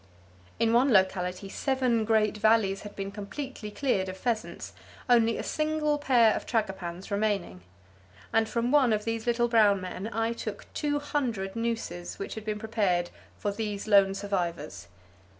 In one locality seven great valleys had been completely cleared of pheasants, only a single pair of tragopans remaining; and from one of these little brown men I took two hundred nooses which had been prepared for these lone survivors.